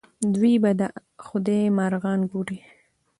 دوی به د خدای مرغان ګوري.